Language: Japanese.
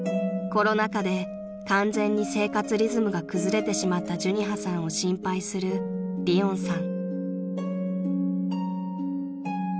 ［コロナ禍で完全に生活リズムが崩れてしまった寿仁葉さんを心配する理音さん］